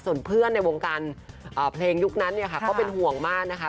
ส่วนเพื่อนในวงการเพลงยุคนั้นเนี่ยค่ะก็เป็นห่วงมากนะคะ